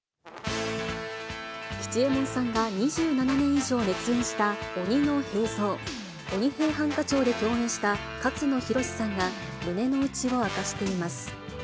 吉右衛門さんが２７年以上熱演した鬼の平蔵、鬼平犯科帳で共演した勝野洋さんが、胸の内を明かしています。